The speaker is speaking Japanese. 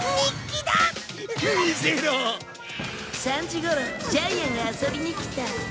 ３時頃ジャイアンが遊びに来た。